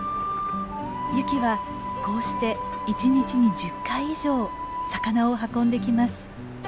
ユキはこうして１日に１０回以上魚を運んできます。